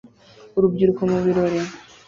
Urubyiruko mu birori